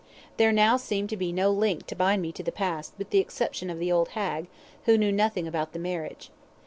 There now seemed to be no link to bind me to the past with the exception of the old hag, who knew nothing about the marriage.